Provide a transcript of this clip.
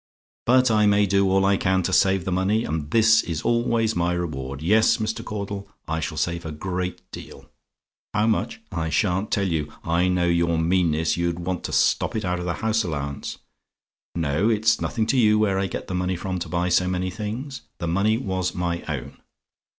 "But I may do all I can to save the money, and this is always my reward. Yes, Mr. Caudle; I shall save a great deal. "HOW MUCH? "I sha'n't tell you: I know your meanness you'd want to stop it out of the house allowance. No: it's nothing to you where I got the money from to buy so many things. The money was my own.